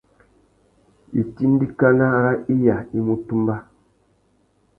Itindikana râ iya i mú tumba.